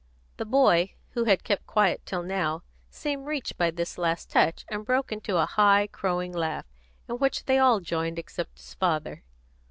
The boy, who had kept quiet till now, seemed reached by this last touch, and broke into a high, crowing laugh, in which they all joined except his father.